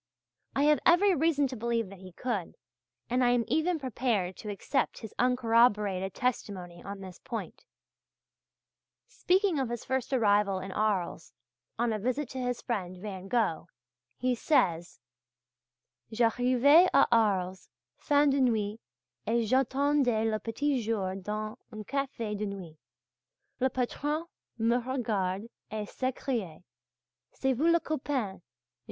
I have every reason to believe that he could, and I am even prepared to accept his uncorroborated testimony on this point. Speaking of his first arrival in Arles, on a visit to his friend Van Gogh, he says: "J'arrivai à Arles fin de nuit et j'attendais le petit jour dans un café de nuit. Le patron me regarde et s'écria: 'C'est vous le copain!